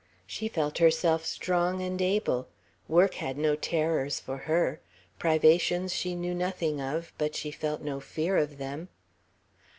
She felt herself strong and able. Work had no terrors for her; privations she knew nothing of, but she felt no fear of them.